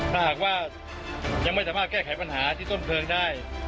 ถ้าหากว่ายังไม่สามารถแก้ไขปัญหาที่ต้นเพลิงได้